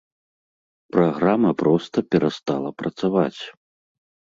Праграма проста перастала працаваць.